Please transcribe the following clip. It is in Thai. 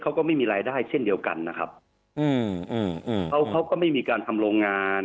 เขาก็ไม่มีรายได้เช่นเดียวกันนะครับเขาก็ไม่มีการทำโรงงาน